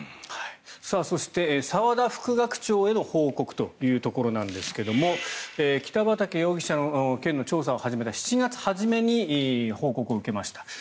そして、澤田副学長への報告というところですが北畠容疑者の件の調査を始めた７月初めに報告を受けました。